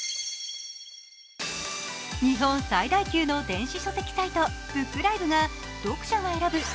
日本最大級の電子書籍サイトブックライブが読者が選ぶ